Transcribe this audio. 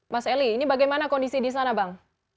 mas eli ini bagaimana kondisi di sana bang